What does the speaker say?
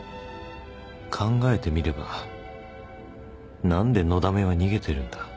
考えてみれば何でのだめは逃げてるんだ？